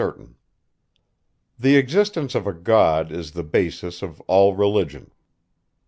The existence of a God is the basis of all religion.